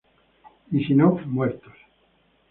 Y si no, muertos.